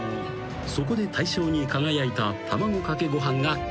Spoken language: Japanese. ［そこで大賞に輝いた卵かけご飯がこちら］